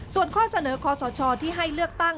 ส่วนข้อเสนอคอสชที่ให้เลือกตั้ง